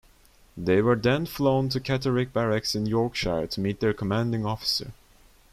They were then flown to Catterick barracks in Yorkshire to meet their commanding officer.